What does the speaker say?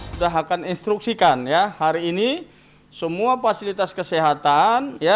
kita akan instruksikan ya hari ini semua fasilitas kesehatan